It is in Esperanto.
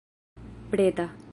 preta